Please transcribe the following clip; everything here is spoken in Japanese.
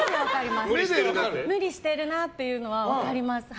無理してるなっていうのは分かります。